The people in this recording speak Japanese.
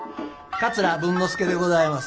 桂文之助でございます。